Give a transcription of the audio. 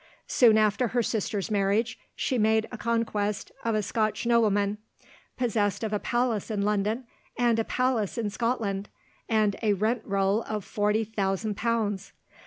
Soon after her sister's marriage, she made a conquest of a Scotch nobleman, possessed of a palace in London, and a palace in Scotland, and a rent roll of forty thousand pounds.